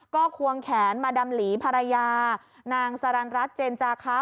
ก็ควงแขนมาดำหลีภรรยานางสรรรัฐเจนจาคะ